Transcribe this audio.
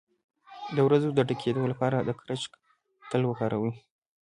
د وروځو د ډکیدو لپاره د کرچک تېل وکاروئ